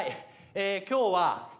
え今日は。